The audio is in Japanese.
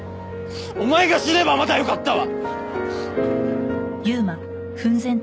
お前が死ねばまだよかったわ！